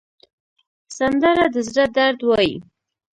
سندره د زړه درد وایي